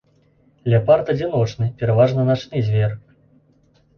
Леапард адзіночны, пераважна начны звер.